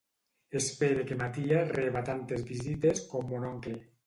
Espere que ma tia reba tantes visites com mon oncle.